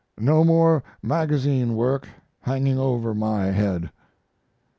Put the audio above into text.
No more magazine work hanging over my head.